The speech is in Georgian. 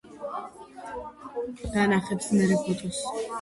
ომანის სანაპირო ზოლი და გამაგრებული პუნქტები პორტუგალიას ემორჩილებოდა.